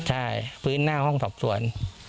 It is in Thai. ใช่พื้นหน้าห้องสอบสวน